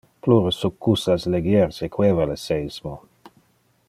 Plure succussas legier sequeva le seismo.